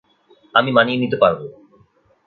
আমি মানিয়ে নিতে পারবো।